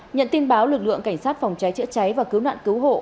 nhận tin báo lực lượng cảnh sát phòng cháy chữa cháy và cứu nạn cứu hộ